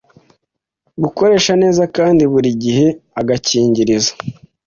Gukoresha neza kandi buri gihe agakingirizo